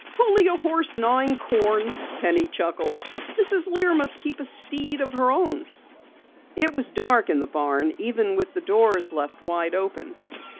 "Only a horse gnawing corn!" Penny chuckled. "Mrs. Lear must keep a steed of her own." It was dark in the barn even with the doors left wide open.